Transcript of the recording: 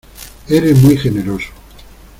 ¡ eres muy generoso!